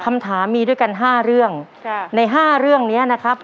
คำถามีด้วยกันห้าเรื่องจ้ะในห้าเรื่องเนี้ยนะครับ